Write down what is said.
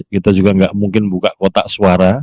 kita juga nggak mungkin buka kotak suara